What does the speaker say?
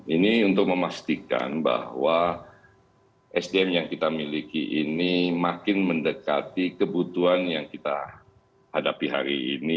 ini untuk memastikan bahwa sdm yang kita miliki ini makin mendekati kebutuhan yang kita hadapi hari ini